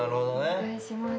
お願いします。